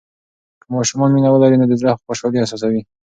که ماشومان مینه ولري، نو د زړه خوشالي احساسوي.